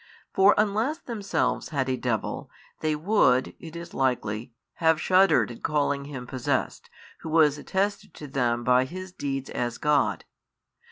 For unless themselves had a devil, they would (it is likely) have shuddered at calling Him possessed Who was attested to them by His Deeds as God.